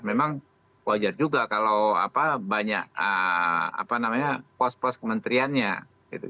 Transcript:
memang wajar juga kalau apa banyak apa namanya pos pos kementeriannya gitu